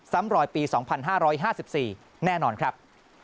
รอยปี๒๕๕๔แน่นอนครับ